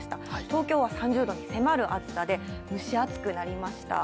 東京は３０度に迫る暑さで蒸し暑くなりました。